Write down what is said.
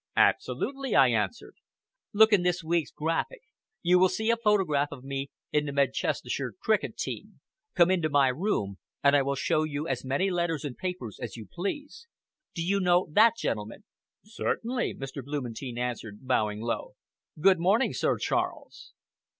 "Absolutely!" I answered; "look in this week's Graphic. You will see a photograph of me in the Medchestershire Cricket Team. Come into my room, and I will show you as many letters and papers as you please. Do you know that gentleman?" "Certainly!" Mr. Blumentein answered, bowing low. "Good morning, Sir Charles!"